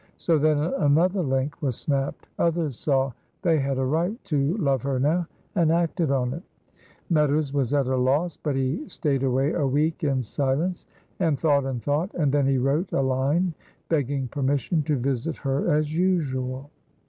So then another link was snapped. Others saw they had a right to love her now, and acted on it. Meadows was at a loss, but he stayed away a week in silence, and thought and thought, and then he wrote a line begging permission to visit her as usual.